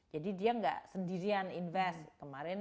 jadi dia nggak sendirian invest